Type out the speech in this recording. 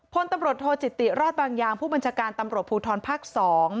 พลตำรวจโทจิติรอดบางยางผู้บัญชาการตำรวจภูทรภาค๒